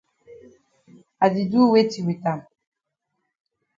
I di do weti wit am?